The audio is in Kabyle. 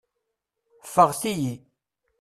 Ffeɣt-iyi.